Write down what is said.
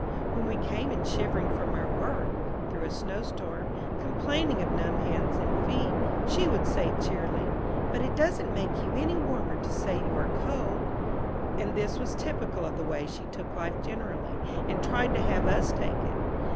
When we came in shivering from our work, through a snowstorm, complaining of numb hands and feet, she would say cheerily, "But it doesn't make you any warmer to say you are cold;" and this was typical of the way she took life generally, and tried to have us take it.